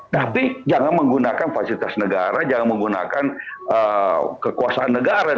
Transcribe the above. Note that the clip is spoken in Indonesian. tapi jangan menggunakan fasilitas negara jangan menggunakan kekuasaan negara